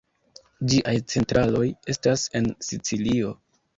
Ĝiaj centraloj estas en Sicilio.